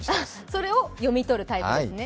それを読み取るタイプですね。